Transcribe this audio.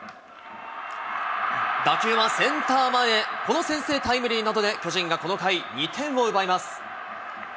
打球はセンター前へ、この先制タイムリーなどで巨人がこの回、２点を奪います。